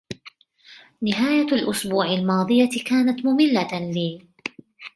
نهاية الإسبوع الماضية كانت مملة لي.